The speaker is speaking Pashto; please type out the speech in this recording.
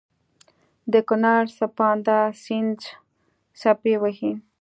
دکونړ څپانده سيند څپې وهي